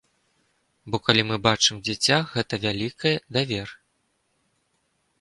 Бо калі мы бачым дзіця, гэта выклікае давер.